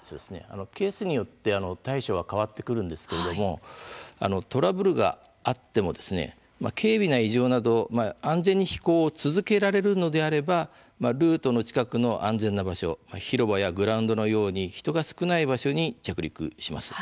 ケースによって対処は変わってくるんですがトラブルがあっても軽微な異常など安全に飛行を続けられるのであればルートの近くの安全な場所広場やグラウンドのように人が少ない場所に着陸します。